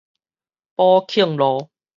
寶慶路